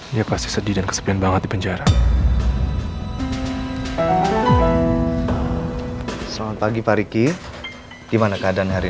gimana keadaan pak riki dok